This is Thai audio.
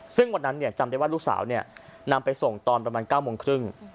ซึ่งวันนั้นจำได้ว่าลูกสาวนำไปส่งตอนประมาณ๙โมงครึ่ง